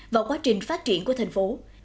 và quá trình phát triển của thành phố